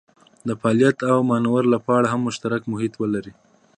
د فعالیت او مانور لپاره هم مشترک محیط ولري.